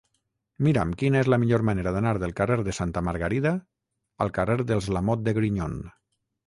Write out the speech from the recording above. Mira'm quina és la millor manera d'anar del carrer de Santa Margarida al carrer dels Lamote de Grignon.